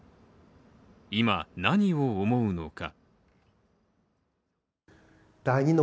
今、何を思うのか。